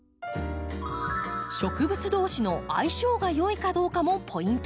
植物同士の相性が良いかどうかもポイント。